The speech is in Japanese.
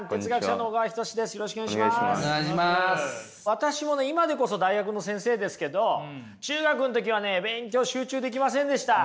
私もね今でこそ大学の先生ですけど中学の時はね勉強集中できませんでした。